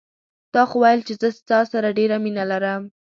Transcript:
تا خو ویل چې زه ستا سره ډېره مینه لرم